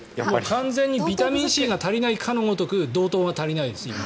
完全にビタミンＣが足りてないかのごとく道東は人が足りてないです。